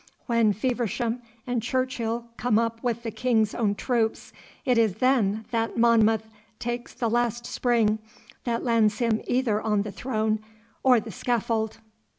When Feversham and Churchill come up with the King's own troops, it is then that Monmouth takes the last spring, that lands him either on the throne or the scaffold.